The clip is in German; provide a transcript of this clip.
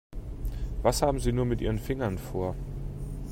Was haben Sie nur mit Ihren Fingern vor?